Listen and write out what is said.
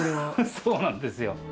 そうなんですよ。